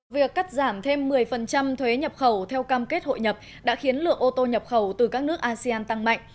việc cắt giảm thêm một mươi thuế nhập khẩu theo cam kết hội nhập đã khiến lượng ô tô nhập khẩu từ các nước asean tăng mạnh